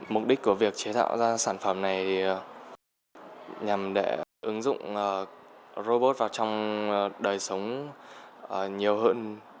mục đích của việc chế tạo ra sản phẩm này nhằm để ứng dụng robot vào trong đời sống nhiều hơn